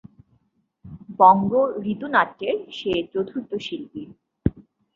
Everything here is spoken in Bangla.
বঙ্গ ঋতুনাট্যের সে চতুর্থ শিল্পী।